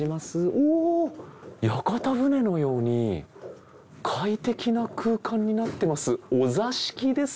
おお屋形船のように快適な空間になってます。